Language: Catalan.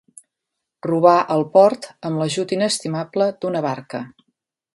Robar al port amb l'ajut inestimable d'una barca.